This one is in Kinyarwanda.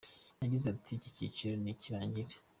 Yagize ati Iki cyiciro nikirangira.